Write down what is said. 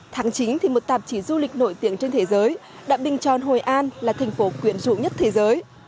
tháng chín thì một tạp chí du lịch nổi tiếng trên thế giới đã bình chọn hội an là thành phố quyển rũ nhất thế giới